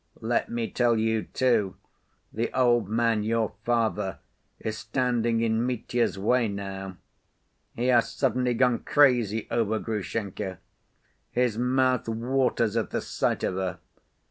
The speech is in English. Let me tell you, too, the old man, your father, is standing in Mitya's way now. He has suddenly gone crazy over Grushenka. His mouth waters at the sight of her.